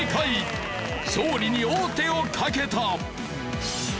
勝利に王手をかけた。